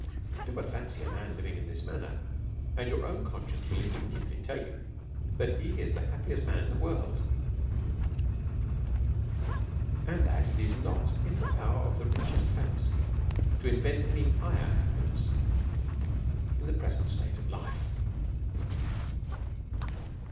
Do but fancy a man living in this manner, and your own conscience will immediately tell you that he is the happiest man in the world, and that it is not in the power of the richest fancy to invent any higher hap piness in the present state of life.